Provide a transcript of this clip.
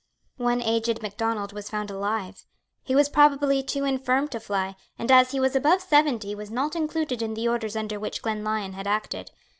One aged Macdonald was found alive. He was probably too infirm to fly, and, as he was above seventy, was not included in the orders under which Glenlyon had acted.